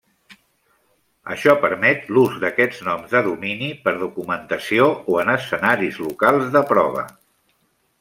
Això permet l'ús d'aquests noms de domini per documentació o en escenaris locals de prova.